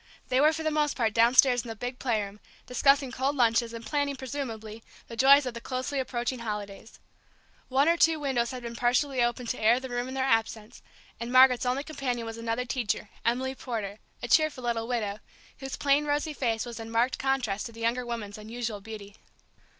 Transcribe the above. They were for the most part downstairs in the big playroom, discussing cold lunches, and planning, presumably, the joys of the closely approaching holidays. One or two windows had been partially opened to air the room in their absence, and Margaret's only companion was another teacher, Emily Porter, a cheerful little widow, whose plain rosy face was in marked contrast to the younger woman's unusual beauty.